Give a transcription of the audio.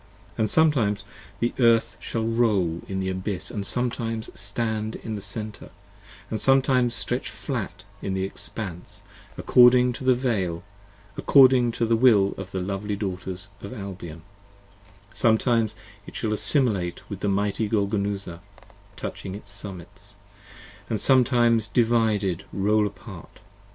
40 And sometimes the Earth shall roll in the Abyss & sometimes Stand in the Center & sometimes stretch flat in the Expanse, According to the will of the lovely Daughters of Albion, Sometimes it shall assimilate with mighty Golgonooza, Touching its summits: & sometimes divided roll apart.